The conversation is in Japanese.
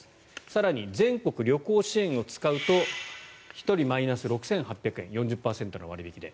更に全国旅行支援を使うと１人マイナス６８００円４０％の割引で。